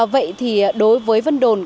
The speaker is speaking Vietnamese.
vậy thì đối với vân đồn